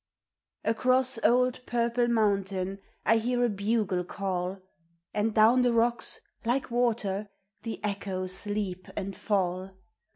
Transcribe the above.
ACROSS old Purple Mountain I hear a bugle call, And down the rocks, like water, the echoes leap and fall.